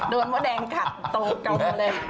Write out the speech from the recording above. โดนมัวแดงคัดโตเก่าไปเลย